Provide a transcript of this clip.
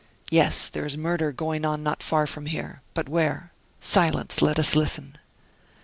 "Yes, there is murder going on not far from here but where? Silence! let us listen."